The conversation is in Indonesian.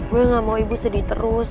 gue gak mau ibu sedih terus